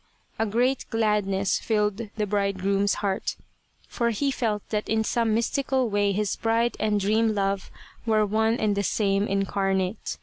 A great gladness filled the bridegroom's heart, for he felt that in some mystical way his bride and dream love were one and the same incarnate.